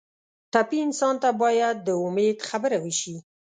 ټپي انسان ته باید د امید خبره وشي.